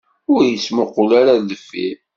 Ur ittmuqul ara ɣer deffir.